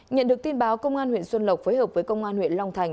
nhận được tin báo công an huyện xuân lộc phối hợp với công an huyện long thành